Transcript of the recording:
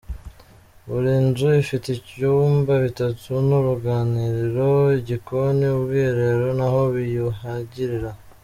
Buri nzu ifite ibyumba bitatu n’uruganiriro, igikoni, ubwiherero naho biyuhagirira.